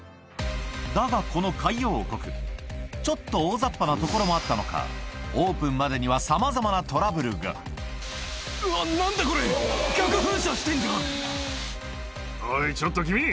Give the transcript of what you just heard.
だが、この海洋王国、ちょっと大ざっぱなところもあったのか、オープンまでにはさまざうわっ、なんだこれ、逆噴射おい、ちょっと君！